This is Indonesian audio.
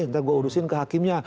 ntar gue urusin ke hakimnya